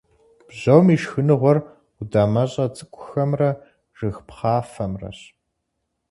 Бжьом и шхыныгъуэр къудамэщӏэ цӏыкӏухэмрэ жыг пхъафэмрэщ.